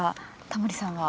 タモリさんは？